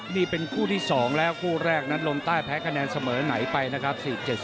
นี่เป็นคู่ที่๒แล้วคู่แรกนั้นลมใต้แพ้คะแนนเสมอไหนไปนะครับ